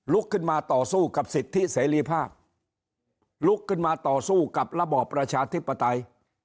ลุกขึ้นมาต่อสู้กับสิทธิเสรีภาพลุกขึ้นมาต่อสู้กับระบอบประชาธิปไตย